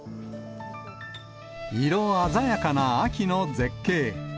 色鮮やかな秋の絶景。